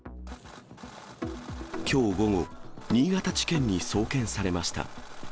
きょう午後、新潟地検に送検されました。